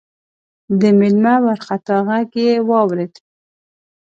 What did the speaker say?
د مېلمه وارخطا غږ يې واورېد: